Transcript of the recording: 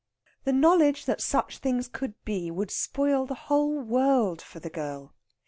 The knowledge that such things could be would spoil the whole world for the girl.